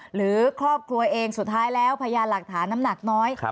หรือครอบครัวเองสุดท้ายแล้วพยานหลักฐานน้ำหนักน้อย